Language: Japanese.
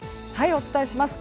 お伝えします。